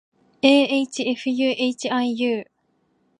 ahfuhiu